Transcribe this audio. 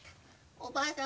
おばあさん